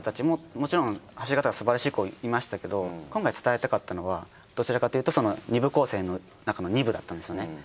もちろん走り方がすばらしい子いましたけど今回伝えたかったのはどちらかというと２部構成のなかの２部だったんですよね。